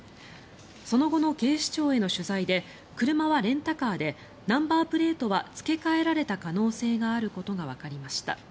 その後の警視庁への取材で車はレンタカーでナンバープレートは付け替えられた可能性があることがわかりました。